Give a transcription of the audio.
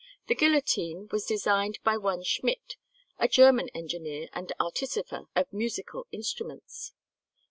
The guillotine was designed by one Schmidt, a German engineer and artificer of musical instruments.